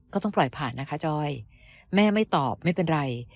ก็ต้องปล่อยผ่านนะคะจอยแม่ไม่ตอบไม่เป็นไร